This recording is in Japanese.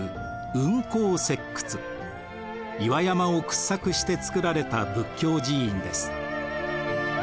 岩山を掘削して造られた仏教寺院です。